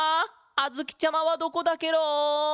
あづきちゃまはどこだケロ！